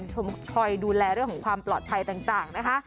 ชมคอยดูแลเรื่องของความปลอดภัยต่างนะคะ